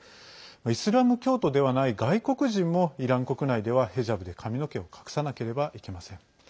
イスラム教徒ではない外国人もイラン国内ではヘジャブで髪の毛を隠さなければいけません。